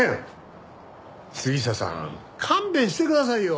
杉下さん勘弁してくださいよ。